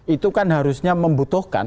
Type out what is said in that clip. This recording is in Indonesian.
itu kan harusnya membutuhkan